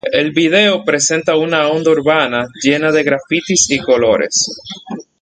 El video presenta una onda urbana, llena de grafitis y colores.